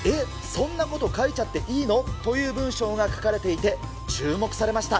そんなこと書いちゃっていいの？という文章が書かれていて、注目されました。